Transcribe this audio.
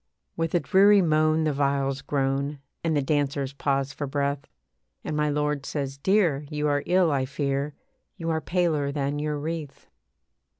With a dreary moan the viols groan, And the dancers pause for breath, And my lord says, 'Dear, you are ill, I fear, You are paler than your wreath.'